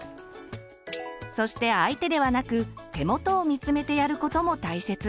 そして相手ではなく手元を見つめてやることも大切。